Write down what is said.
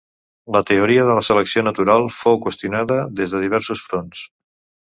La teoria de la selecció natural fou qüestionada des de diversos fronts.